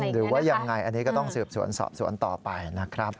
หรือว่ายังไงอันนี้ก็ต้องสืบสวนสอบสวนต่อไปนะครับ